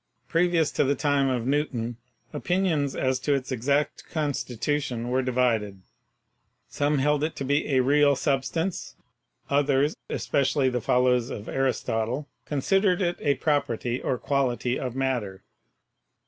Previous to the time of Newton opinions as to its exact constitution were divided; some held it to be a real substance, others, espe cially the followers of Aristotle, considered it a property or quality of matter.